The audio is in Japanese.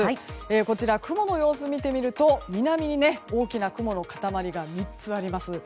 こちら、雲の様子を見てみると南に大きな雲の塊が３つあります。